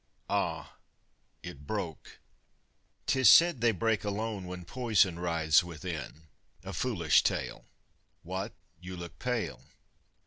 ah, it broke! 'Tis said they break alone When poison writhes within. A foolish tale! What, you look pale?